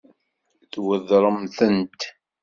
Tweddṛemt-tent?